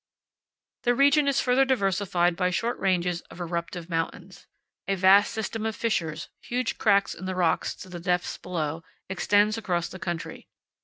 The region is further diversified by short ranges of eruptive mountains. A vast system of fissures huge cracks in the rocks to the depths below extends across the country.